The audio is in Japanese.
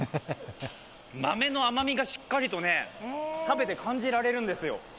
豆の甘味がしっかりと食べて感じられるんですよ。